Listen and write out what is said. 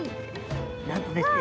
なんとですね